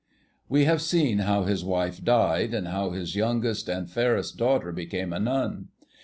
We have seen how his wife died, and how his youngest and fairest daughter became a nun.